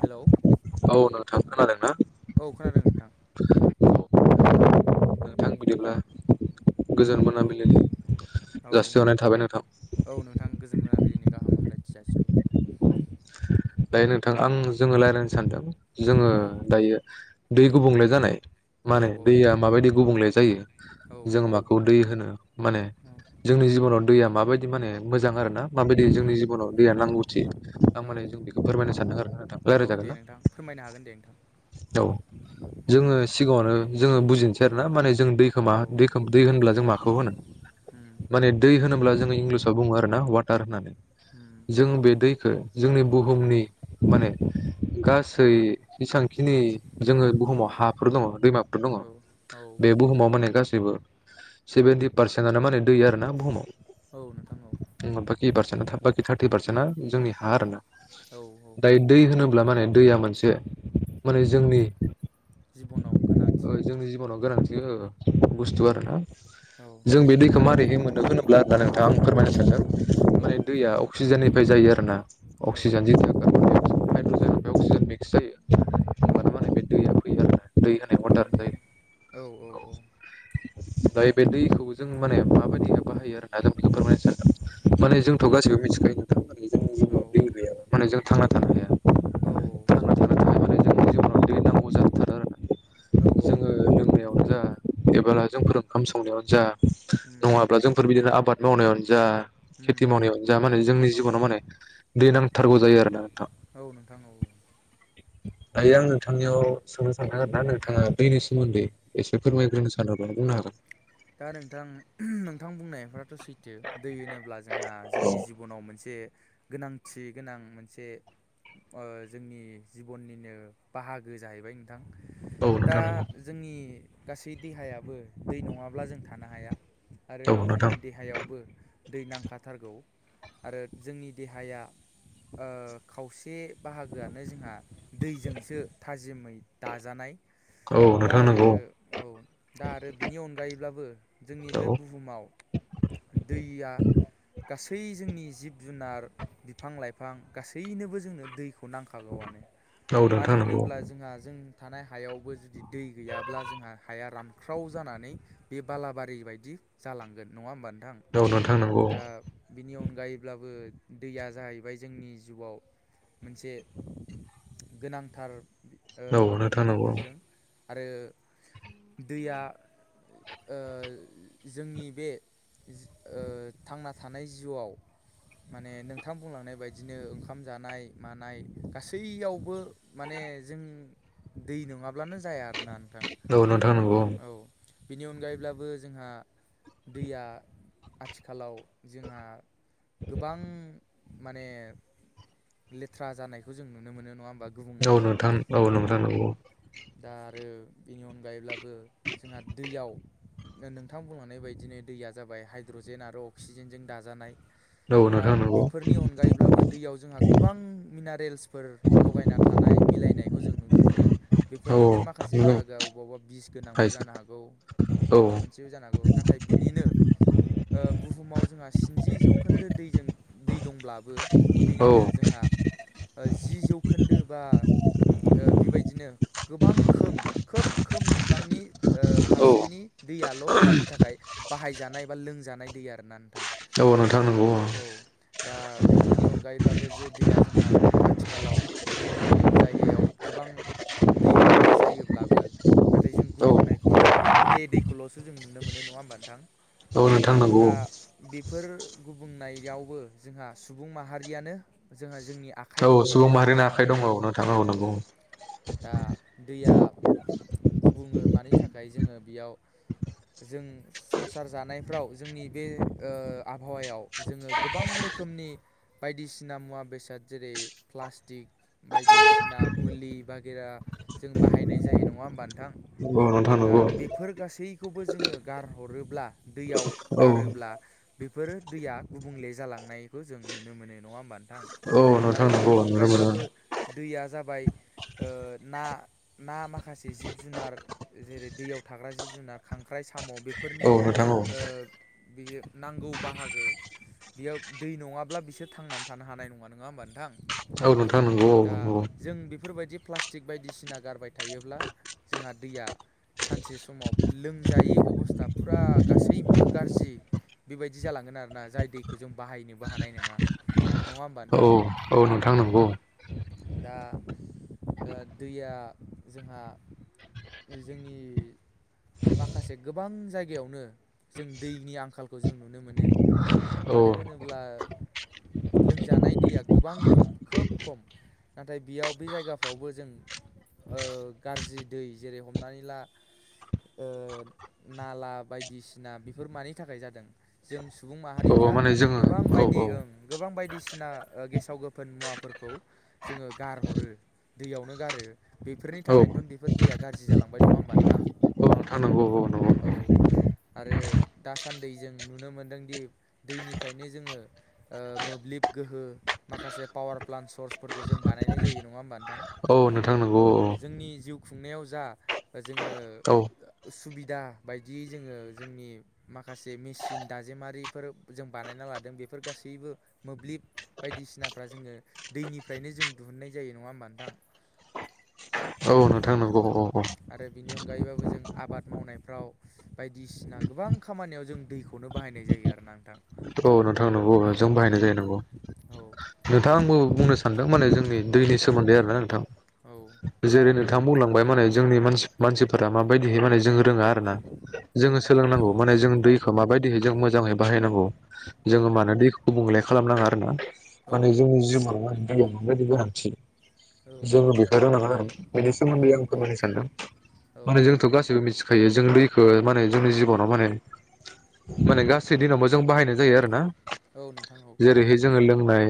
Hello औ नोंथां खोनादों ना औ खोनादों नोंथां [unintelligible] नोंथां बिदिब्ला गोजोन औ मोनाबिलिनि औ जासिहरनाय थाबाय नोंथां बिनि गाहाम हामलायथि जासिहरबाय दायो नोंथां आं जोङो रायलायनो सानदों जोङो औ दायो दै गुबुंले जानाय औ माने औ दैया माबायदि गुबुंले जायो औ जों नोंथां माखौ दै होनो माने औ जोंनि जिब'नाव दैया माबायदि माने मोजां आरो ना माबायदि औ जोंनि जिबनाव दैया नांगौथि आं औ माने जों बेख फोरमायनो सानदों आरोना नोंथां औ रायलायजागोन दे ना नोंथां फोरमायनो हागोन दे नोंथां औ जोङो सिगाङावनो जोङो बुजिनोसै आरोना मानेज जों दैखो माहा औ दैखौ दै होनोब्ला जों माखौ होनो उम माने दै होनोब्ला जों इंलिस साव बुङो आरोना वाटार होननानै उम जों बे दैखो जोंनि उम बुहुमनि माने गासै जेसांखिनि जोङो बुहुमाव हाफोर दङ' दैमा फोर दङ' औ औ बे बुहुमाव माने गासिबो सेभेन्टि पारसेन्टआनो माने दै आरो ना बुहुमाव औ नोंथां औ टि पारसेन्टा [unintelligible] बाखि थार्टि पारसेन्टा जोंनि हा आरो ना औ औ दायो दै होनोब्ला माने दैया मोनसे माने जोंनि जिब'नाव गोनांथि ओ ओं जोंनि जिबनाव गोनांथि हो उम बुस्थु आरो ना औ जों बे दैखो माबारैहाय मोनो होनोब्ला आदा नोंथाङा आं फोरमायनो सानदों औ माने दैया अक्सिजेननिफाय जाय यो आरोना औ अक्सिजेन [unintelligible] बे अक्सिजेन मिक्स जायो औ होमबानो माने बे दैया फैयो आरोना दै होनाय औ वाटार नोंथां जायो औ औ औ दायो बे दैखौबो जों माने माबायदिहाय बाहायो आरोना जों बेखौ फोरमायनो सानदों औ माने जोंथ' गासिबो मिथिखायो नोंथां माने औ [unintelligible] माने जों थांना थानो हाया औ थांना थानो थाखाय माने जोंनि जिउनाव दै नांगौ जाथारो आरोना औ औ जोङो नोंथां औ लोंनायावनो जा एबोला जोंफोर ओंखाम संनायावनो जा उम नङाब्ला जोंफोर बिदिनो आबाद मावनायावनो जा उम खेथि मावनायाव जा माने जोंनि औ जिबनाव माने दै नांथारगौ जायो आरोना नोंथां। औ नोंथां औ औ आइ आं नोंथांनियाव सोंनो सानदों आरो ना नोंथाङा दैनि सोमोन्दै एसे औ फोरमायग्रोनो सानोबा औ बुंनो हागोन दा नोंथां नोंथां बुंनायफ्राथ' सै दै होनोब्ला जोंहा जोंनि औ जिबनाव मोनसे गोनांथि गोनां मोनसे जोंनि जिबननिनो बाहागो जाहैबाय। दा नोंथां नंगौ जोंनि गासै देहायाबो दै नङाब्ला जों थानो हाया आरो औ नोंथां जोंनि देहायावबो दै नांखाथारगौ आरो जोंनि देहाया खावसे बाहागोआनो जोंहा दैजोंसो थाजिमै दाजानाय औ दा नोंथां आरो नंगौ। औ दा आरो बिनि अनगायैब्लाबो जोंनि बे औ बुहुमाव दैया गासै जोंनि जिब जुनार बिफां लाइफां गासैनोबो जोंनो दैखौ नांखागौआनो औ मानो नोंथां नंगौ होनोब्ला जोंहा जों थानाय हायावबो जुदि दै गैयाब्ला जोंहा हाया रानख्राव जानानै बे बालाबारि बायदि जालांगोन नङा होमबा नों औ नोंथां नंगौ दा बिनि अनगायैब्लाबो दैया जाहैबाय जोंनि जिउआव मोनसे गोनांथार ओ औ नोंथां नोंगौ। बिजों आरो दैया जोंनि बे थांना थानाय जिउआव माने नोंथां बुंलांनाय बायदिनो ओंखाम जानाय मानाय गासैयावबो माने जों दै नङाब्लानो जाया आरोना नोंथां। औ नोंथां नोंगौ। बिनि अनगायैब्लाबो जोंहा दैया आथिखालाव जोंहा गोबां माने लेथ्रा जानायखौ जों नुनो मोनो नङा। औ गुबुंनायखौ नोंथां ओ औ नोंथां नोंगौ। दा आरो बेनि अनगायैब्लाबो जोंहा दैयाव नोंथां बुंलांनाय बायदिनो दैया जाबाय हाइद्रजेन आरो अक्सिजेनजों दाजानाय। औ दा नोंथां नंगौ बेफोरनि अनगायैब्लाबो दैयाव जोंहा गोबां मिनारेल्सफोर लगायना थानाय मिलायनायखौ जों नुनो मोनो औ बेफोरनिनो औ माखासे बाहागोआ अबेबा अबेबा बिस गोनांबो जानो हागौ। माबा मोनसेबो जानो हांगौ नाथाय बिनिनो बुहुमाव जोंहा स्निजि जौखोन्दो दैजों दै दंब्लाबो बिनिनो जोंहा जि जौखोन्दो बा बेबायदिनो गोबां खोम खोब खोम बिबांनि पारसेन्टनि दैयाल' जोंनि थाखाय बाहायजानाय बा लोंजानाय दै आर ना नोंथां। औ नोंथां नोंगौ औ दा बेफोरनि अनगायैब्लाबो जे दैया जोंहा आथिखालाव जोंनि जायगायाव गोबां दै मोननाय जायोब्लाबो नाथाय जों औ गुबुंनायखौ, गुबुंले दैखौल'सो जों नुनो मोनो नङा होमबा नोंथां? औ नोथां नांगौ। दा बेफोर गुबुंनायावबो, जोंहा सुबुं माहारियानो जोंहा जोंनि आखाइ औ दं सुबुं होननानै जों माहारिनि आखाइ बुंनांगोन दंङ नोंथां औ नांगौ। दा दैया गुबुङो मानि थाखाय जोङो बेयाव जों संसार जानायफ्राव जोंनि बे ओ आबहावायाव जोङो गोबां रोखोम रोखोमनि बायदिसिना मुवा बेसाद जेरै -प्लास्टिक बायदिसिना मुलि बागेरा जों बाहायनाय जायो नङा होमबा नोंथां? औ नोंथां दा नंगौ बेफोर गासैखौबो जोङो गारह'रोब्ला दैयाव औ गारोब्ला बे बेफोर दैया गुबुंले जालांनायबो जों नुनो मोनो नङा होमबा नोंथां? औ आरो नोंथां नंगौ बेनि नुनो मोनो अनगायैब्लाबो दैया जाबाय ना ना माखासे माखासे जिब जुनार जेरै- दैयाव थाग्रा जिब जुनार खांख्राइ साम' औ बेफोरनि नोंथां औ ओ बिनि नांगौ बाहागो बेयाव दै नङाब्ला बिसोर थांनानै थानो हानाय नङा होमबा नोंथां? औ नों थांनगौ दा औ! जों बेफोरबायदि प्लास्टिक बायदिसिना गारबाय थायोब्ला जोंहा दैया,, सानसे समाव लोंमजायै अबस्था फुरा गासैबो गाज्रि बेबायदि जालांगोन आरोना? जाय दैखौ जों बाहायनोबो हानाय नङा नङा होमबा औ नोंथां? औ नोंथां नंगौ। दा दैया जोंहा जोंनि माखासे गोबां जायगायावनो जों दैनि आंखालखौ जों नुनो मोनो औ मानो होनोब्ला लोंजानाय दैया गोबां खम खोब खम। नाथाय बेयाव बे जायगाफ्रोराववबो जों ओ गाज्रि दै जेरै- हमनानै ला ओ नाला बायदिसिना बेफोर मानि थाखाय जादों जों सुबुं माहारि औ फ्रा माने जोङो गोबां बायदि औ ओं गोबां बायदि बायदिसिना ओ गेसाव- गोफोन मुवाफोरखौ जोङो गारहरो, दैयावनो गारो बेफोरनि औ थाखायनोथ' बेफोर दैया गाज्रि जालांबाय नङा होमबा नोंथां? नोंथां औ औ नंगौ। औ आरो दासान्दि जों नुनो मोनदोंदि दैनिफ्रायनो जोङो ओ मोब्लिब गोहो माखासे पावार प्लान्ट सर्सफोरखौ जों बानायनाय जायो नङा होमबा नोंथां? औ नोंथां नंगौ औ जोंनि जिउ खुंनायाव जा जोङो, औ सुबिदा बायदियै जोङो जोंनि माखासे मेसिन दाजेमारिफोर जों बाय बानायना लादों बेफोर गासैबो मोब्लिब बायदिसिनाफ्रा जोङो दैनिफ्रायनो जों दिहुननाय जायो। दै नङा होमबा नोथां? औ, नोंथां नंगौ औ औ। आरो बेनि अनगायैबो जों आबाद मावनायफ्राव बायदिसिना गोबां खामानियाव जों दैखौनो बाहायनाय जायो आरो ना नोंथां। औ औ नोंथां नंगौ औ जों बाहायनाय जायो नंगौ। औ नोंथां आंबो बुंनो नोंथां माने जोंनि औ दे दैनि नोंथां सोमोन्दै आरोना नोंथां। औ जेरै- नोंथां बुंलांबाय माने जोंनि मानसिफोरा माबायदिहै माने जों रोङा आरो ना। औ जोङो नोंथां सोलोंनांगौ माने जों दैखौ माबायदिहै जों मोजाङै बाहायनांगौ औ जोङो म देखौ गुबुंले खालामनााङा आरो ना औ माने जोंनि जिउमायाव दैया माबायदि गोनांन्थि जोङो बेखौ रोंनांगोन, बेनि औ सोमोन्दै आं फोरमायनो सानदों औ माने नोंथां जोंथ' औ गासैबो मिथिखायो जों दैखौ माने जोंनि जिबनाव माने माने गासै दिनावबो जों बाहायनाय जायो आरो ना। औ नोंथां औ जेरैहाय जोङो लोंनाय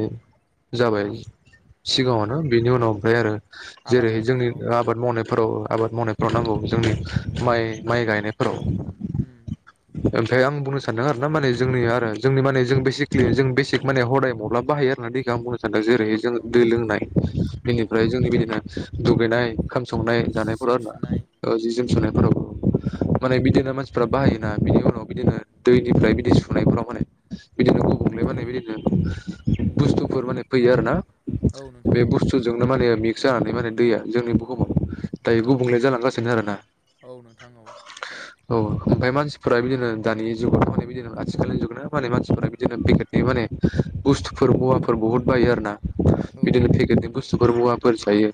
जाबाय। औ सिगाङावनो बिनि उनाव ओमफाय आरो आबाद जेरै जोंनि आबाद मावनायफोराव आबाद मावनायफ्राव ना औ जोंनि माइ माइ गायनायफोराव उम ओमफाय आं बुंनो सानदों आरो ना माने जोंनि आरो जोंनि माने जों बेसिकेलि जों बेसिक माने हदाय मबब्लाब बाहायो आरोना बे आं बुंनो सानदों औ जेरै जों नोंथां औ दै लोंनाय औ बेनिफ्राय जोंनि बिदिनो दुगैनाय ओंखाम औ संनाय जि जोम जानायफोराव आरो सुनाय ना जि जोम सुनायफोराव औ माने बिदिनो मान फोरा बाहायोना बिनि उनाव बिदिनो दैनिफ्राय बिदि सुनायफोराव माने बिदिनो गुबुंलेबानायो बिदिनो बुस्थुफोर माने फैयो आरो ना औ नोंथां बे औ बुस्थुजोंनो माने मि जानानै माने दैया जोंनि बुहुमाव दायो औ गुबुंले जालांगासिनो आरोना। औ नोंथां औ औ ओमफाय मानसिफोरा बिदिनो दानि जुगाव माने बिदिनो आथिखालनि जुग ना माने मानस सिफोरो बिदिनो बेगेटनि माने बुस्थुफोर मुवाफोर बुहुत बायो आरो ना औ बिदिनो पेकेटनि बुस्थुफोर मुवाफोर जायो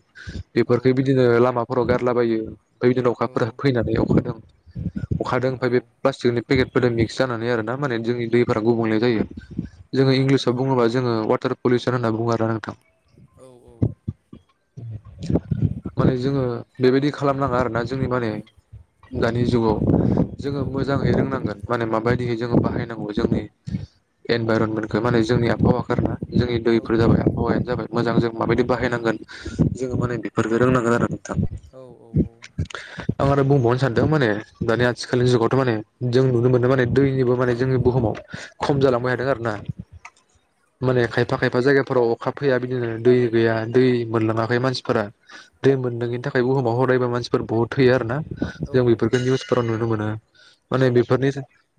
औ बेफोरखो बिदिनो लामाफोराव गार लाबायो हैदिनो अखाफोर फैनानै अखादों अखादों ओमफाय औ बे प्लास्टिकनि पेकेटफोरजों मिक्स जानानै आरोना माने जोंनि दैफोरा गुबुंले जायो। औ जोङो नोंथां इंलिसाव औ बुङोबा जोङो वाटार पलिउसन होनना बुङो आरोना नोंथां। औ माने जोङो बेबायदि खालामनाङा आरोना जोंनि माने दानि जुगाव जोङो मोजाङै रोंनांगोन माने माबायदिहै जोङो बाहायनांगौ जोंनि इनभाइरनमेन्टखौ माने जोंनि आबहावाखो आरोना जोंनि औ औ दैफोर नोंथां जाबाय औ आबहावायानो जाबाय मोजां जों माबायदि बाहायनांगोन जोङो उम माने बेफोरफोरखो रोंनांगोन आरो नोंथां [inaudible] आं आरो बुंबावनो सानदों माने दानि आथिखालनि जुगावथ माने जों नुनो मोनदों माने दैनिबो माने जोंनि बुहुमाव खम जालांबाय थादों आरना माने ओ औ खायफा खायफा जायगाफोराव अखा फैया बिदिनो दै गैया दै मोनलाङाखै मानसिफोरा दै मोनलोंयिनि थाखाय बुहुमाव हरायबो मानसिफोर बहुत थैयो आरोना औ जों नोंथां बेफोरखो औ निउसफोराव नुनो मोनो औ माने बेफोरनि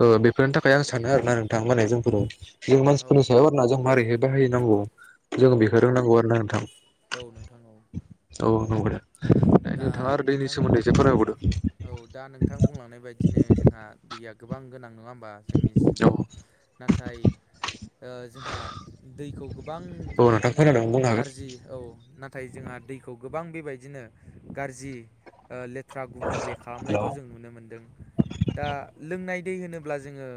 ओ बेफोरनि थाखाय आं सानो आरोना। थांबालाय जोंफोराव जों औ मानसिफोरनि सायाव आरोना जों मारैहाय बाहायनांगौ जों बेखो रोंनांगौ आरो ना नोंथां। नोंथांनाव औ नोगौ दा। दा नोंथां फोरमायबावदो औ दा नोंथां बुंलांनाय बायदिनो जोंहा दैया गोबां गोनां नोङा होमबा जोंनि जिगाव नाथाय ओ जोंहा दैखौ गोबां औ नोंथां बेबायदिनो खोनादों बुंनो हागोन गाज्रि औ ना नाथाय जोंहा दैखौ गोबां बेबायदिनो गाज्रि ओ ले बाथ्रा गुबुंले हेल' खालामनायखौ जों नुनो मोनदों दा लोंनाय दै होनोब्ला जोङो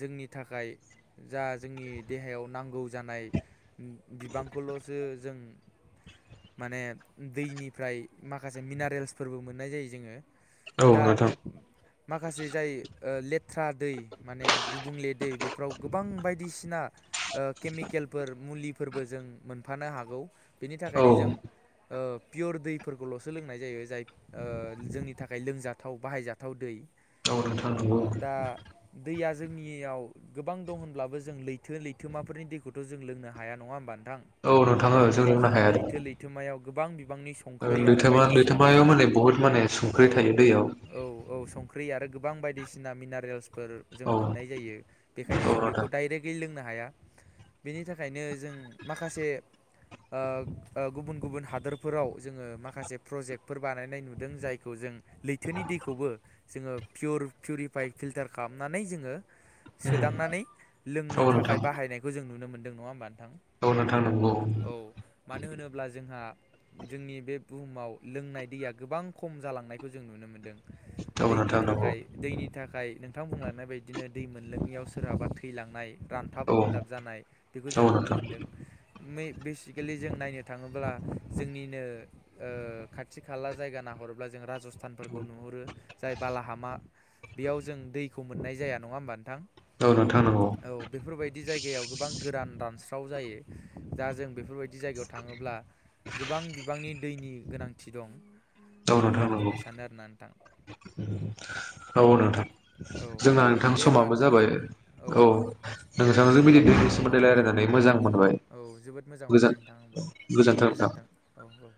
जोंनि थाखाय जा जोंनि देहायाव नांगौ जानाय। बिबांखौल'सो जों माने दैनिफ्राय माखासे मिनारेल्सफोरबो मोननाय जायो जोङो औ दा नोंथां माखासे जाय ओ लेथ्रा दै माने गुबुंले दै बेफोराव गोबां बायदिसिना ओ केमिकेलफोर मुलिफोरबो जों मोनफानो हागौ बेनि औ थाखायनो जों ओ पियर दै फोरखौल'सो लोंनाय जायो जाय जोंनि थाखाय लोंजाथाव बाहायजाथाव दै औ नोथां नोंगौ दा दैया जोंनियाव गोबां दं होनब्लाबो जों लैथो लैथोमाफोरनि दैखौथ' जों लोंनो हाया नङा होमबा नो थां औ नोंथां मानो जों होनोबा लोंनो जोंहा हाया लैथो लैथोमायाव गोबां बिबांनि ओ संख्रै आरो लैथोमा बायदिसिना लैथोमायाव गोबां माने बुहुत माने संख्रि औ थायो दैयाव औ औ संख्रि आरो गोब बां बायदिसिना मिनारेल्सफोर जों औ मोननाय जायो बेखायनो औ जों बेखौ नोंथां डाइरेक्टलि लोंनो हा हाया बिनि थाखायनो जों माखासे ओ ओ गुबुन गुबुन हादोरफोराव जोङो माखासे प्रजेक्टफोर बानायनाय नुदों जायखौ जों लैथोनि दैखौबो जोङो पियर पिउरिफाइ फिल्टार खालामनानै जोङो सोदांनानै लोंनो औ नोंथां थाखाय बाहायनायखौ जों नुनो मोन्दों नङा होमबानो औ नोंथां नंगौ औ मानो होनोब्ला जोंहा जोंनि बे बुहुमाव लोंनाय दैया गोबां खम जालांनायखौ जों नुनो मोनदों औ दैनि नोंथां नंगौ थाखाय दैनि थाखाय नोंथां बुंलांनाय बायदिनो दै मोनलोनायाव सोरहाबा थैलांनाय रानथाब औ फोनथाब जानाय बेखौ जों औ नुनो नोंथां मोनदों। बेसिकेलि जों नायनो थाङोब्ला जोंनि ओ खाथि खाला जायगा नायहरब्ला जों राजस्थानफोरखौ नुहुरो जाय बालाहामा बेयाव जों दैखौ मोननाय जाया नङा होमबा नोंथां? औ नोंथां नंगौ औ बेफोरबायदि जायगायाव गोबां गोरान रान स्राव जायो। दा जों बेफोरबायदि जायगायाव थाङोब्ला गोबां बिबांनि दैनि गोनांथि दं औ बेखौनो नोंथां आं बुंनो नंगौ सानो आरोना नोंथां। औ नोंथां औ जोंना नोंथां दे होमबा समाबो नोंथां जों जाबाय औ नोंथांजों बिदि दैनि सोमोन्दै रायलायनानै मोजां मोन औ जोबोद मोजां मोनबाय नोंथांंबो औ गोजोन्थों औ औ